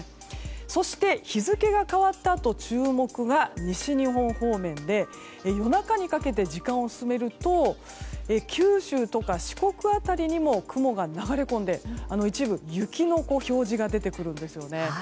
そして、日付が変わったあと注目なのが西日本方面で夜中にかけて時間を進めると九州とか四国辺りにも雲が流れ込んで一部雪の表示が出てくるんですよね。